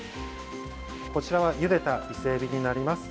こちらはゆでた伊勢えびになります。